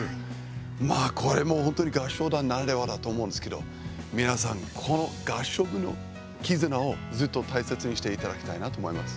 まあ、これも本当に合唱団ならではだと思うんですけど皆さん、この合唱部の絆をずっと大切にしていただきたいなと思います。